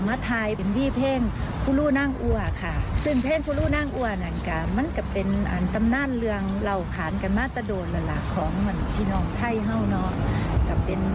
ไม่ใช่ลาบวัวธรรมดานะลาบงั่วซะก่อน